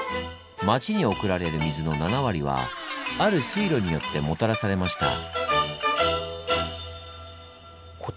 町に送られる水の７割はある水路によってもたらされました。